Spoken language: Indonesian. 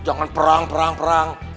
jangan perang perang perang